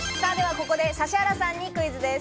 ここで指原さんにクイズです。